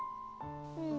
うん。